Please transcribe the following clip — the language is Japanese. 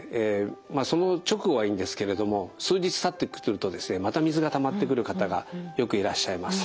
その直後はいいんですけれども数日たってくるとですねまた水がたまってくる方がよくいらっしゃいます。